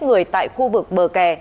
người tại khu vực bờ kè